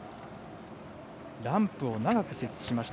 ランプを長く設置しました。